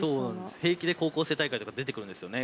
平気で高校生大会とか出てくるんですよね